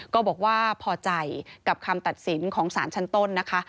ก็บอกว่าพอใจกับคำตัดสินของสารชั้นต้นนะคะ